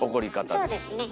そうですね。